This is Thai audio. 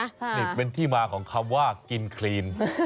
นี่เป็นที่มาของคำว่ากินคลีน